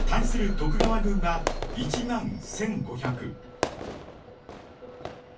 徳川軍は１万１，５００。